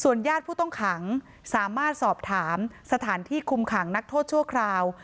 ญาติผู้ต้องขังสามารถสอบถามสถานที่คุมขังนักโทษชั่วคราว